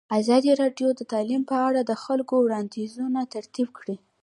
ازادي راډیو د تعلیم په اړه د خلکو وړاندیزونه ترتیب کړي.